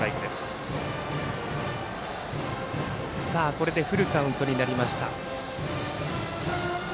これでフルカウントになりました。